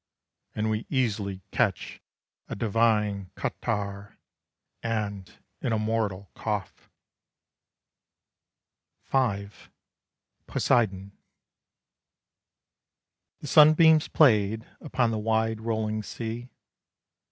And we easily catch a divine catarrh, And an immortal cough." V. POSEIDON. The sunbeams played Upon the wide rolling sea.